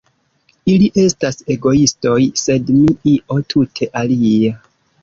Ili estas egoistoj, sed mi -- io tute alia!